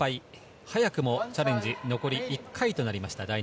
早くもチャレンジ残り１回となりました。